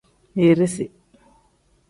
Birisi.